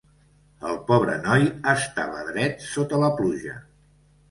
El pobre noi estava dret sota la pluja.